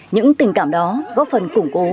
những tình cảm đó góp phần củng cố